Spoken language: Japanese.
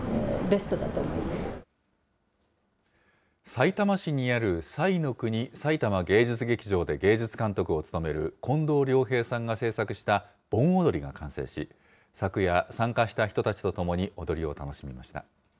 さいたま市にある彩の国さいたま芸術劇場で、芸術監督を務める近藤良平さんが制作した、盆踊りが完成し、昨夜、参加した人たちとともに踊りを楽しみました。